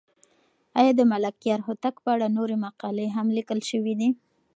آیا د ملکیار هوتک په اړه نورې مقالې هم لیکل شوې دي؟